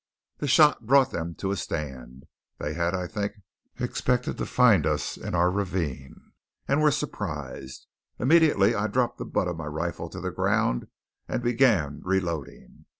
The shot brought them to a stand. They had, I think, expected to find us in our ravine, and were surprised. Immediately I dropped the butt of my rifle to the ground and began reloading.